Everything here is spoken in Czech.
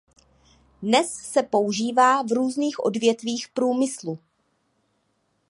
Dnes se používá v různých odvětvích průmyslu.